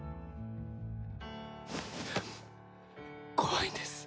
怖いんです